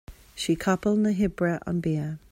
Sí capall na hoibre an bia